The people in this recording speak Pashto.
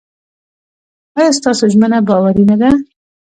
ایا ستاسو ژمنه باوري نه ده؟